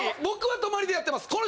僕は泊まりでやってます。